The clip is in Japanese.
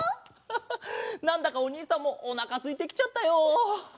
ハハッなんだかおにいさんもおなかすいてきちゃったよ。